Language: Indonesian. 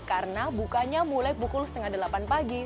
karena bukanya mulai pukul setengah delapan puluh